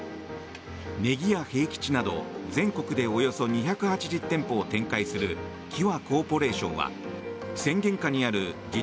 葱や平吉など全国でおよそ２８０店舗を展開する際コーポレーションは宣言下にある１０